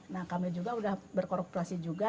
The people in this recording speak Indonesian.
nah kami juga sudah berkorporasi juga